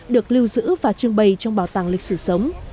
được lưu giữ và trưng bày trong bảo tàng lịch sử sống